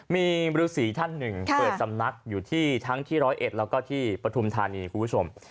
มีรุษีท่านหนึ่งเปิดจำนักอยู่ทั้งที่ร้อยเอ็ดแล้วก็พระทุมธานีครับคุณผู้ชม